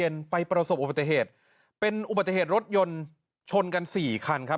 ไปประสบอุบัติเหตุเป็นอุบัติเหตุรถยนต์ชนกันสี่คันครับ